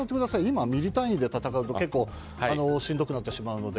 今、ミリ単位で戦うと結構しんどくなってしまうので。